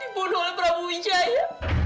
dipunuh oleh prabu wijaya